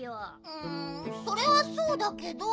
うんそれはそうだけど。